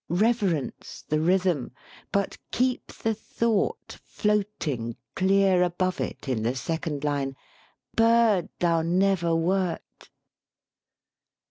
Reverence the rhythm, but keep the thought floating clear above it in the second line, "Bird thou never wert."